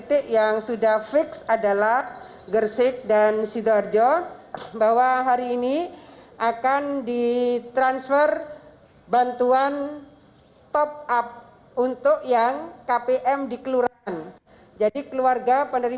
sebagian dari raya raya raya pemprov jatim juga menyiapkan stimulus bantuan keuangan bagi tingkat kelurahan berupa uang tunai